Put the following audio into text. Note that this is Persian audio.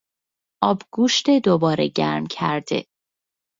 آبگوشت دوباره گرم کرده